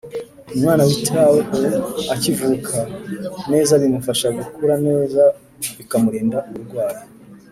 Umwana witaweho akivuka neza bimufasha gukura neza bikamurinda uburwayi